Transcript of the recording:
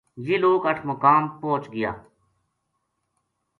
یہ لوک اٹھمقام پوہچ گیا